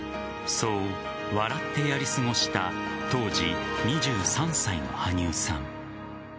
そう、笑ってやり過ごした当時２３歳の羽生さん。